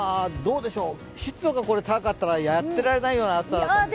湿度が高かったらやってられないような暑さだったでしょうね。